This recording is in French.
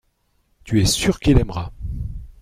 Tu es sûr qu’il aimera.